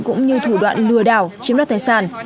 cũng như thủ đoạn lừa đảo chiếm đoạt tài sản